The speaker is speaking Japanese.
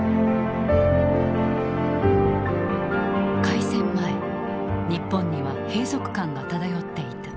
開戦前日本には閉塞感が漂っていた。